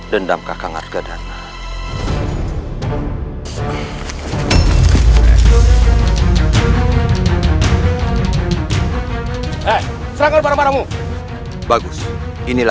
dendam kakak ngergedana